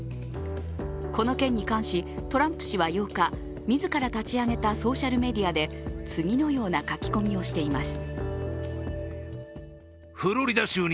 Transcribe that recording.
この件に関し、トランプ氏は８日自ら立ち上げたソーシャルメディアで次のような書き込みをしています。